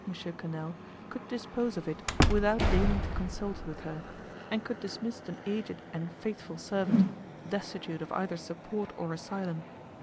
Quesnel, could dispose of it without deigning to consult with her, and could dismiss an aged and faithful servant, destitute of either support or asylum.